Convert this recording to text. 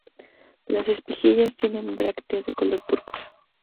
Las espiguillas tienen brácteas de color púrpura.